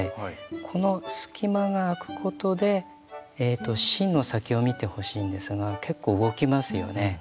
この隙間が空くことで芯の先を見てほしいんですが結構動きますよね。